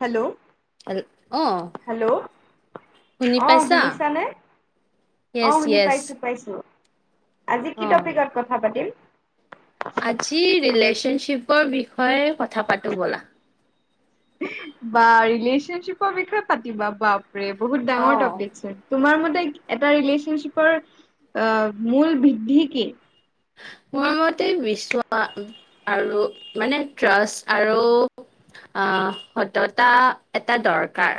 Hello হেল অ hello শুনি অ পাইছা শুনিছানে? অ য়েছ শুনি য়েছ পাইছো পাইছো আজি কি অ টপিকত কথা পাতিম আজি ৰিলেচনশ্বিপৰ বিষয়ে কথা পাতোঁ ব'লা বাৰু ৰিলেচনশ্বিপৰ বিষয়ে পাতিবা বাপৰে বহুত অ ডাঙৰ টপিক চোন। তোমাৰ মতে এটা ৰিলেচনশ্বিপৰ মূল বৃদ্ধি কি মোৰ মতে বিশ্বাস আৰু মানে ট্ৰাষ্ট আৰু আ সততা এটা দৰকাৰ।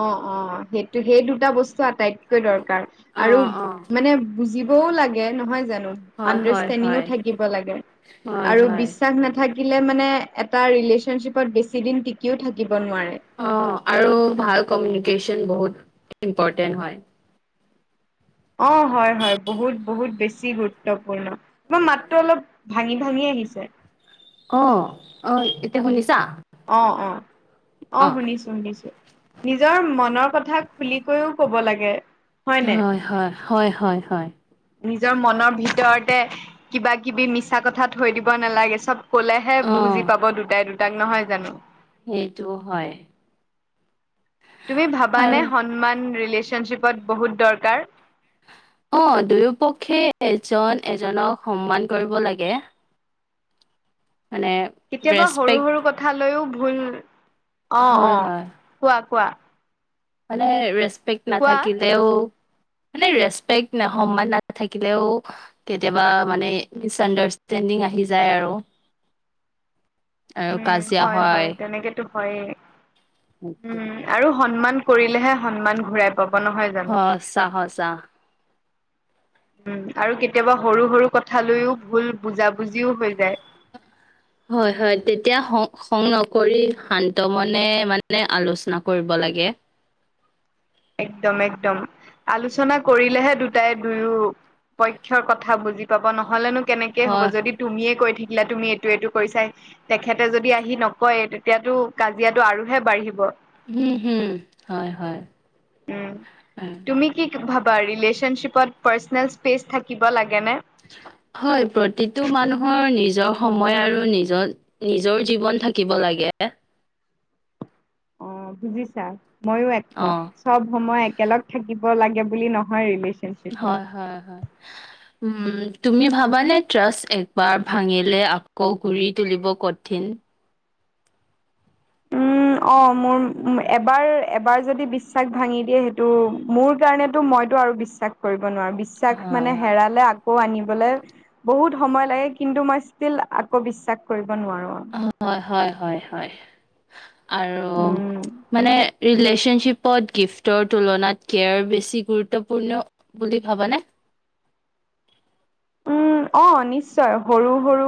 অ অ সেইটো সেই দুটা বস্তু আটাইতকৈ দৰকাৰ অ আৰু অ মানে বুজি- বও লাগে নহয় জানো হয় আন্দাৰ হয় ষ্টেণ্ডিংয়ো হয় থাকিব লাগে হয় আৰু হয় বিশ্বাস‌ নাথা- থাকিলে মানে এটা ৰিলেশচনশ্বিপত বেছি দিন টিকিও থাকিব নোৱাৰে। অ', আৰু ভাল কমিউনিকেচন বহুত ইম্পৰটেণ্ট হয়। অ', হয় হয় বহুত বহুত বেছি গুৰুত্বপূৰ্ণ। তোমাৰ মাতটো অলপ ভাঙি ভাঙি আহিছে। অ', অ', এতিয়া শুনিছা? অ', অ', অ', শুনিছো শুনিছো। নিজৰ মনৰ কথা খুলি কৈও কব লাগে। হয় হয় হয় হয় হয় নিজৰ মনৰ ভিতৰতে কিবা কিবি মিছা কথা থৈ দিব নালাগে চব কলেহে অ বুজি পাব দুটাই দুটাক নহয় জানো। সেইটোও হয়। তুমি ভাবানে আৰু সন্মান ৰিলেচনশ্বিপত বহুত দৰকাৰ? অ দুয়ো পক্ষে এজন এজনক সন্মান কৰিব লাগে। মানে কেতিয়াবা সৰু ৰেচপেক্ট সৰু কথা লৈও ভুল অ অ হয়, হয়, কোৱা কোৱা মানে ৰেচপেক্ট কোৱা নথাকিলেও মানে ৰেচপেক্ট না সন্মান নাথাকিলেও কেতিয়াবা মানে মিচ আণ্ডাৰষ্টেণ্ডিং আহি যায় আৰু। আৰু কাজিয়া হয়। সেইটো হয়ে উম আৰু সন্মান কৰিলেহে সন্মান ঘূৰাই পাব নহয় জানো সঁচা সঁচা উম আৰু কেতিয়াবা সৰু সৰু কথা লৈও ভুল বুজা বুজিও হৈ যায়। হয় হয় তেতিয়া সং খং নকৰি শান্ত মনে মানে আলোচনা কৰিব লাগে একদম একদম আলোচনা কৰিলেহে দুটাই দুয়ো পক্ষৰ কথা বুজি পাব নহলেনো কেনেকে হ'ব হয়, যদি তুমিয়ে কৈ থাকিলা তুমি এইটো এইটো কৰিছাই তেখেতে যদি আহি নকয় তেতিয়াতো কাজিয়াটো আৰুহে বাঢ়িব উম হম হয় হয় হয়। তুমি কি ভাবা ৰিলেশ্যনশ্বিপত পাৰ্চনেল স্পেচ থাকিব লাগেনে হয় প্ৰতিটো মানুহৰ নিজৰ সময় আৰু নিজৰ নিজৰ জীৱন থাকিব লাগে অ বুজিছা মইয়ো অ একমত চব সময় একেলগ থাকিব লাগে বুলি নহয় ৰিলেশ্যনশ্বিপ হয় হয় হয় হয় উম তুমি ভাবানে ট্ৰাষ্ট একবাৰ ভাঙিলে আকৌ ঘুৰি তুলিব কঠিন উ অ মোৰ এবাৰ এবাৰ যদি বিশ্বাস ভাঙি দিয়ে সেইটো মোৰ কাৰণেতো মই আৰু বিশ্বাস কৰিব নোৱাৰো বিশ্বাস হয় মানে হয়। হেৰালে আগ আকৌ আনিবলৈ বহুত সময় লাগে কিন্তু মই ষ্টীল আকৌ বিশ্বাস কৰিব নোৱাৰো অ হয় হয় হয় হয় আৰু উম মানে ৰিলেচনশ্বিপ পদ গিফ্টৰ তুলনাত কেয়াৰ বেছি গুৰুত্বপূৰ্ণ বুলি ভাবানে উম অ নিশ্চয় সৰু সৰু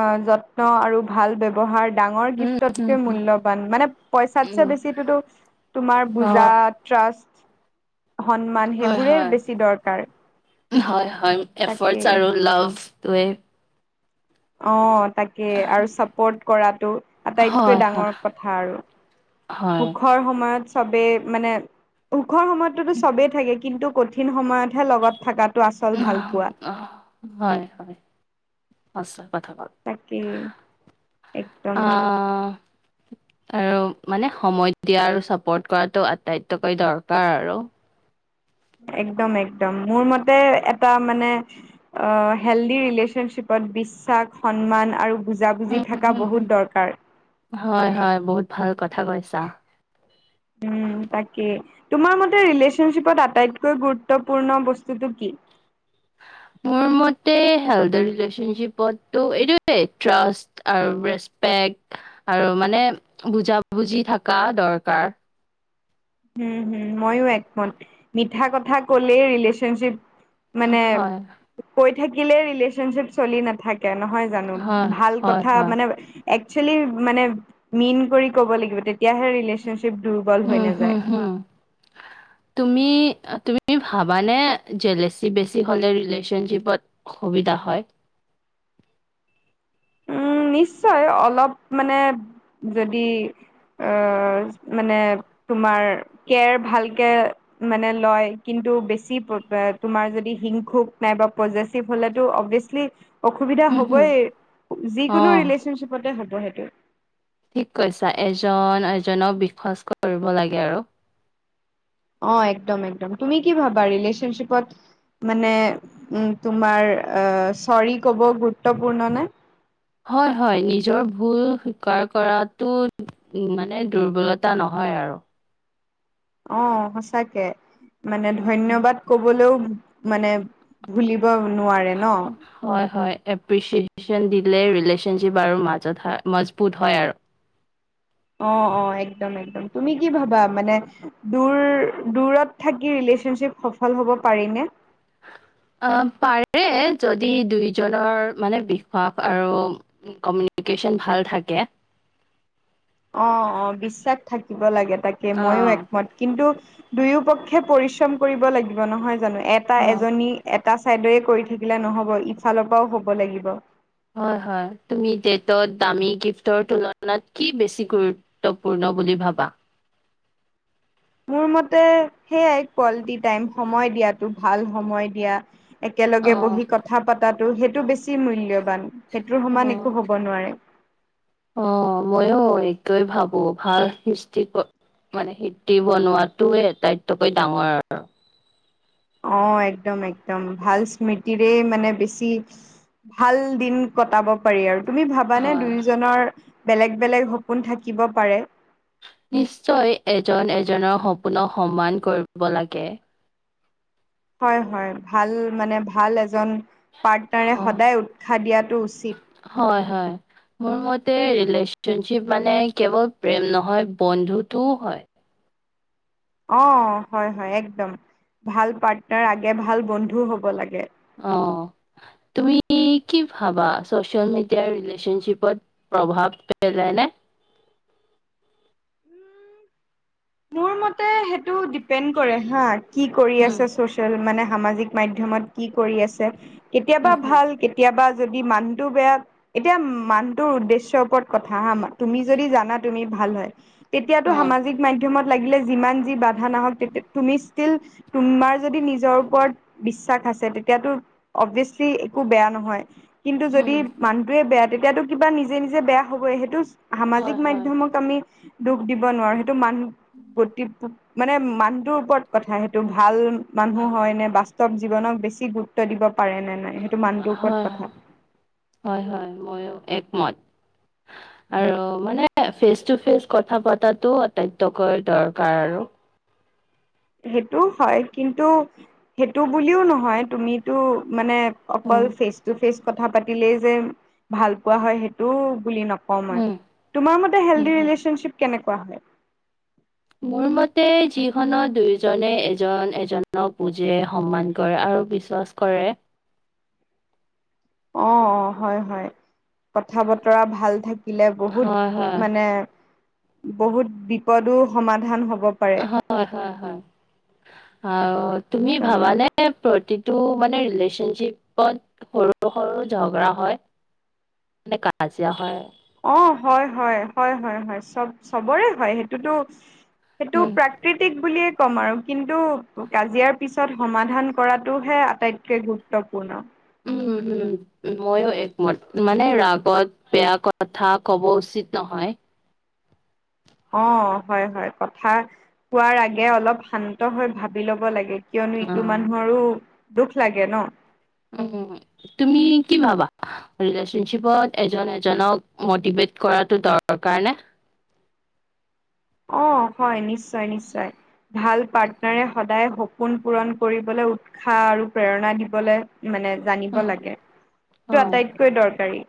অ যত্ন আৰু ভাল ব্যৱহাৰ ডাঙৰ উম গিফ্টতকৈ উম মূল্যৱান মানে পইচাত ছাই উম বেছিটোতো তোমাৰ অ বুজা ট্ৰাষ্ট সন্মান হয় সেইবোৰে হয়। বেছি দৰকাৰ হয় হয় তাকে এফৰ্টছ আৰু লাভটোৱে অ তাকে আৰু চাপৰ্ট কৰাটো আটাইতকৈ হয় হয় ডাঙৰ কথা আৰু হয়। সুখৰ সময়ত সবেই মানে সুখৰ সময়তো সবেই থাকে কিন্তু কঠিন সময়তহে লগত থকাটো আচল ভাল পোৱা। অ হয় হয় সঁচা কথা কল তাকেই একদম আহ আৰু মানে সময় দিয়া আৰু চাপৰ্ট কৰাটো আটাইতকৈ দৰকাৰ আৰু একদম একদম মোৰ মতে এটা মানে অ হেল্ডি ৰিলেচনশ্বিপত বিশ্বাস সন্মান আৰু উম, বুজাবুজি থকা হুম, হুম। বহুত দৰকাৰ হয় হয় বহুত ভাল কথা কৈছা উম তাকেই তোমাৰ মতে ৰিলেশচনশ্বিপত আটাইতকৈ গুৰুত্বপূৰ্ণ বস্তুটো কি মোৰ মতে হেল্থৰ ৰিলেচনশ্বিপতটো এইটোে ট্ৰাষ্ট আৰু ৰেচপেক আৰু মানে বুজা বুজি থকা দৰকাৰ উম হুম মইয়ো একম মিঠা কথা ক'লে ৰিলেচনশ্বিপ মানে হয় কৈ থাকিলে ৰিলেচনশ্বিপ চলি নাথাকে নহয় জানো হয় ভাল হয় কথা হয়। মানে একচুৱেলি মানে মিন কৰি ক'ব লাগিব তেতিয়াহে ৰিলেশচনশ্বিপটো দুৰ্বল হৈ উম হুম নাযায় হুম। [unintelligible] তুমি তুমি ভাবানে জেলেচি বেছি হলে ৰিলেচনশ্বিপত সুবিধা হয় উম নিশ্চয় অলপ মানে যদি আহ মানে তোমাৰ কেয়াৰ ভালকে মানে লয় কিন্তু বেছি তোমাৰ যদি হিংসুক নাইবা প্ৰজেচিভ হলেটো অভিয়াচ মানে অসুবিধা উম, হুম, হ'বই, যিকোনো অ', ৰিলেশচনশ্বিপতে হ'ব সেইটো। ঠিক কৈছা এজন এজনক বিশ্বাস কৰিব লাগে আৰু। অ একদম একদম তুমি কি ভাবা ৰিলেশ্যনশ্বিপত- মানে, উম তোমাৰ অ চৰি ক'ব গুৰুত্বপূৰ্ণ নে? হয় হয় নিজৰ ভুল স্বীকাৰ কৰাটো- উম মানে দুৰ্বলতা নহয় আৰু। অ সঁচাকে, মানে উম, ধন্যবাদ- কবলৈও মানে ভুলিব নোৱাৰে ন। হয় হয় এপ্ৰিচিয়েচন দিলে ৰিলেচনশ্বিপ আৰু মাজত হয় মজবুত হয় আৰু। অ অ একদম একদম, তুমি কি ভাবা মানে? দূৰ দূৰত থাকি ৰিলেশ্যনশ্বিপ সফল হব পাৰিনে? অ পাৰে যদি দুইজনৰ মানে বিশ্বাস আৰু- কমিউনিকেশ্যন ভাল থাকে। অ অ বিশ্বাস থাকিব লাগে তাকে মইও অ', একমত। কিন্তু দুয়ো পক্ষে পৰিশ্ৰম কৰিব লাগিব নহয় জানো এটা অ'। এজনী- এটা চাইডৰ কৰি থাকিলে নহব ইফালৰ পৰাও হব লাগিব। হয় হয় তুমি ডেটত দামী গিফ্টৰ তুলনাত কি বেছি গুৰুত্ব- গুৰুত্বপূৰ্ণ বুলি ভাবা? মোৰ মতে সেইয়াই কোৱালিটি টাইম সময় দিয়াতো ভাল সময় দিয়া- একেলগে অ'। বহি কথা পাতাতো সেইটো বেছি মূল্যৱান সেইটোৰ সমান অ', একো হ'ব নোৱাৰে। অ মইও এইটোৱে ভাবো ভাল হিষ্টি- মানে টিকিব নোৱাৰাটোৱে আটাইতকৈ ডাঙৰ আৰু। অ একদম একদম ভাল স্মৃতিৰে মানে বেছি- ভাল দিন কটাব- পাৰি আৰু তুমি ভাবানে হয়। দুয়োজনৰ বেলেগ বেলেগ সপোন থাকিব পাৰে নিশ্চয় এজন এজনৰ সপোনক সন্মান কৰিব লাগে। হয় হয় ভাল মানে ভাল এজন পাৰ্টনাৰে হয়, সদায় উৎসাহ দিয়াতটো উচিত। হয় হয়। মোৰ মতে ৰিলেশ্যনশ্বিপ মানে কেৱল প্ৰেম নহয় বন্ধুটোও হয়। অ হয় হয় একদম, ভাল পাৰ্টনাৰ আগে ভাল বন্ধু হ'ব লাগে। অ তুমি কি ভাবা চচিয়েল মিডিয়াৰ ৰিলেচনশ্বিপত? প্ৰভাৱ পেলায় নে? মোৰ মতে সেইটো ডিপেড কৰে হা কি কৰি আচ উম, মানে সামাজিক- মাধ্যমত কি কৰি আছে কেতিয়াবা উম, হম, ভাল কেতিয়াবা যদি মানুহটো বেয়া- এতিয়া মানুটোৰ উদ্দেশ্যৰ ওপৰত কথা হা তুমি যদি জানা তুমি ভাল হয়। তেতিয়াতো অ', সামাজিক মাধ্যমত লাগিলে যিমান যি বাধা নাহওক তুমি ষ্টিল- তোমাৰ যদি নিজৰ ওপৰত বিশ্বাস আছে তেতিয়াতো- অবভিয়াচলি একো বেয়া নহয়- কিন্তু যদি উম, মানুহটোয়ে বেয়া তেতিয়াতো কিবা নিজে নিজে বেয়া হব সেইটো- সামাজিক হয়, হয়, মাধ্যমক আমি দুখ দিব নোৱাৰো সেইটো মানুহ গতিত- মানে মানুহটোৰ ওপৰত কথা সেইটো ভাল মানুহ হয় নে বাস্তৱ জীৱনক বেছি গুৰুত্ব- দিব পাৰে নে নাই। মানুহটোৰ ওপৰত হয় কথা হয় হয় ময়ো একমত। আৰু মানে ফেচ টু ফেচ কথা পাতাতো আটাইতকৈ দৰকাৰ। সেইটোও হয় কিন্তু সেইটো বুলিও নহয় তুমি- মানে অকল উম ফেচ টো‌ ফেচ কথা পাতিলেই যে ভাল পোৱা হয় সেইটো বুলি নক ক উম তোমাৰ মতে উম হেলদি উম ৰিলেচন শ্বিপ কেনেকুৱা হয়? মোৰ মতে যিখনত দুয়োজনে এজন এজনক বুজে সন্মান কৰে আৰু বিশ্বাস কৰে অ অ হয় হয় কথা বতৰা ভাল থাক থাকিলে বহুত হয় হয় মানে বহুত বিপদো সমাধান হব পাৰে। হয় হয় হয় অ তুমি পাৰে ভাবানে প্ৰতিটো মানে ৰিলেচনশ্বিপত সৰু সৰু ঝগৰা হয় মানে কাজিয়া হয় অ হয় হয় হয়ব চবৰে হয় সেইটোতো সেইটো উম প্ৰাকৃতিক বুলিয়ে ক'ম আৰু কিন্তু কাজিয়াৰ পিছত সমাধান কৰাটোহে আটাইতকৈ গুপ গুৰুত্বপূৰ্ণ উম উম ময়ো একমত মানে ৰাগত বেয়া কথা কব উচিত নহয়। অ হয় হয় কথা কোৱাৰ আগে অলপ শান্ত হৈ ভাবি ল'ব লাগে কিয়নো অ', ইটো মানুহৰো দুখ লাগে ন উ তুমি কি ভাবা? ৰিলেচনশ্বিপত এজন এজনক মটিভেট কৰাটো দৰকাৰ নে? অ হয় নিশ্চয় নিশ্চয় ভাল পাৰ্টনাৰে সদায় সপোন পূৰণ কৰিবলৈ উ উ্ষা আৰু প্ৰেৰণা দিবলৈ মানে জানিব লাগে সেইটো টো হয়, আটাইতকৈ দৰকাৰী।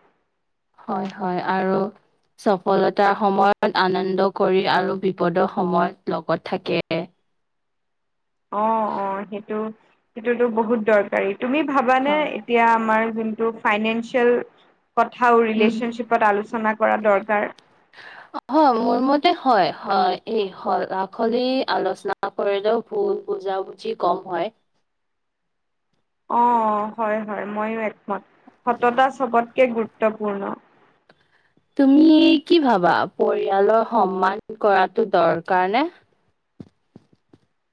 হয় হয় আৰু সফলতাৰ সময়ত আনন্দ কৰি আৰু বিপদৰ সময়ত লগত থাকে। অ অ সেইটো সেইটোতো বহুত দৰকাৰী তুমি ভাবানে হয়, এতিয়া আমাৰ যোনটো ফাইনেন্সিয়েল কথাও উম, ৰিলেশচনশ্বিপত আলোচনা কৰা দৰকাৰ হয় মোৰ মতে হয় হয় এই আখলি আলোচনা কৰিলেও ভুল বুজা বুজি কম হয়। অ অ হয় হয় ময়ো একমত সততা চবতকে গুৰুত্বপূৰ্ণ। তুমি কি ভাবা পৰিয়ালৰ সন্মান কৰাটো দৰকাৰ নে?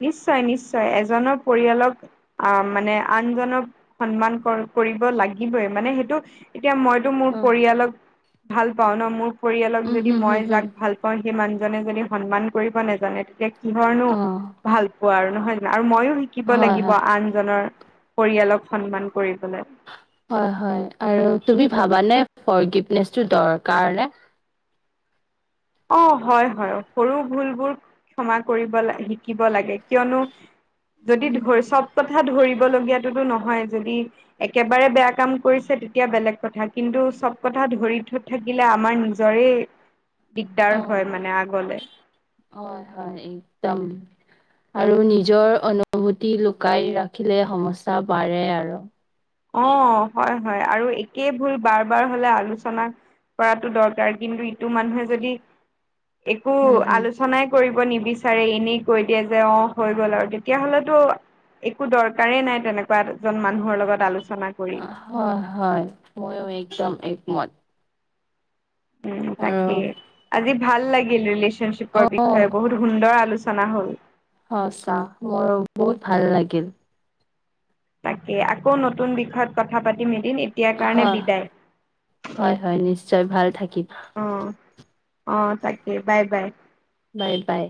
নিশ্চয় নিশ্চয় এজনৰ পৰিয়ালক অ, মানে আনজনক সন্মান কৰিব লাগিবই মানে সেইটো এতিয়া মই মোৰ উম, পৰিয়ালক ভাল পাওঁ ন মোৰ পৰিয়ালক যদি হুম, মই হুম, হুম, যাক ভাল সেই মানুহজনে যদি সন্মান কৰিব নেজানে তেতিয়া কিহৰ নো অ', আৰু নহয় জানো আৰু ময়ো শিকিব হয়, লাগিব হয়। আনজনৰ পৰিয়ালক সন্মান কৰিবলৈ। হয়, হয় আৰু তুমি ফৰ্গিভেনেছ টো, দৰকাৰনে অ, হয় হয় সৰু ভুলবোৰ ক্ষমা কৰিব ল শিকিব লাগে কিয়নো যদি উম ধৰি হুম চব কথা ধৰিব লগীয়াতোতো নহয় যদি একেবাৰে বেয়া কাম কৰিছে তেতিয়া বেলেগ কথা কিন্তু চব কথা ধৰি থ থাকিলে আমাৰ নিজৰে দিগদাৰ হয় অ' মানে আগলে। হয়, হয় একদম। আৰু নিজৰ অনুভূতি লুকাই ৰাখিলে সমস্যা বাঢ়ে আৰু। অ, হয়, হয় আৰু একেই ভুল বাৰ বাৰ হলে আলোচনা কৰাতটো দৰকাৰ, কিন্তু ইটো মানুহে যদি একো উম হম আলোচনাই কৰিব নিবিচাৰে, এনেই কৈ দিয়ে যে অঁ হৈ গ'ল আৰু তেতিয়াহলেতো একো দৰকাৰেই নাই তেনেকুৱা এজন মানুহৰ লগত আলোচনা কৰি। হয় হয় মইও একদম একমত। উম, আৰু তাকে আজি ভাল লাগিল ৰিলেশ্বনশিপ অ' বিষয়ে বহুত সুন্দৰ আলোচনা হ'ল। সঁচা, মোৰো বহুত ভাল লাগিল। তাকে আকৌ নতুন বিষয়ত কথা পাতিম এদিন এতিয়াৰ কাৰণে হয় বিদায়। হয় হয় নিশ্চয় ভাল থাকিম। অঁ, অঁ তাকে বাই বাই। বাই, বাই।